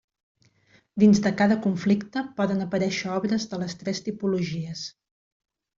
Dins de cada conflicte poden aparèixer obres de les tres tipologies.